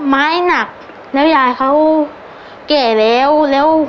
ไม้หนักแล้วยายเขาเกะแล้ว